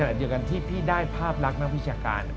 แต่ในขณะเดียวกันที่พี่ได้ภาพลักษณ์มากพิชาการ